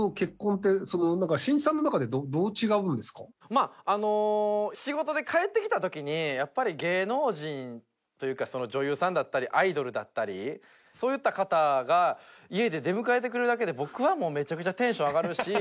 まああの仕事で帰ってきた時にやっぱり芸能人というか女優さんだったりアイドルだったりそういった方が家で出迎えてくれるだけで僕はもうめちゃくちゃテンション上がるし。